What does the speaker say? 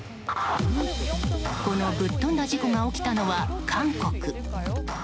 このぶっ飛んだ事故が起きたのは韓国。